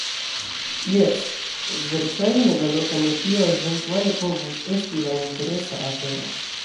Jes, verŝajne, la loka metio eventuale povus esti la interesa afero.